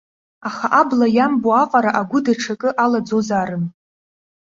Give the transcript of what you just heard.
Аха абла иамбо аҟара агәы даҽакы алаӡозаарым!